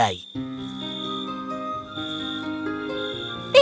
aileen mengingatkan kekuatan dia